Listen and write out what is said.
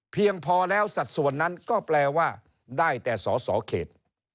เพียงพอแล้วสัดส่วนนั้นก็แปลว่าได้แต่สอสอเขต